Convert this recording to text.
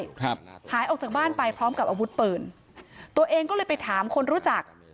ครับหายออกจากบ้านไปพร้อมกับอาวุธปืนตัวเองก็เลยไปถามคนรู้จัก